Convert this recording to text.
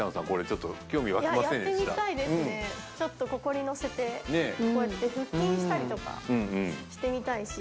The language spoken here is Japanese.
これちょっとちょっとここに乗せてこうやってとかしてみたい